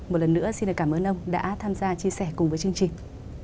một lần nữa xin cảm ơn ông đã tham gia chia sẻ cùng với chương trình